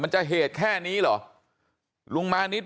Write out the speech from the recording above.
บอกแล้วบอกแล้วบอกแล้วบอกแล้ว